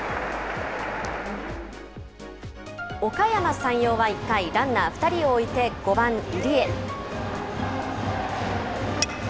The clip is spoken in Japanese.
おかやま山陽は１回、ランナー２人を置いて５番入江。